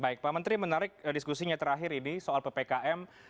baik pak menteri menarik diskusinya terakhir ini soal ppkm